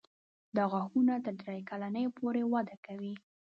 دا غاښونه تر درې کلنۍ پورې وده کوي.